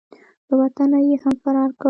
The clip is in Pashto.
له وطنه یې هم فرار کړ.